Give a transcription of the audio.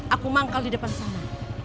aku manggal di depan sana